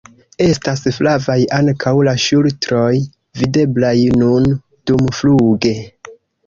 Estas flavaj ankaŭ la ŝultroj, videblaj nun dumfluge.